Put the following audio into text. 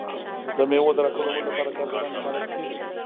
د میوو د راټولولو لپاره کارګران ګمارل کیږي.